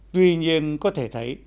tuy nhiên có thể thấy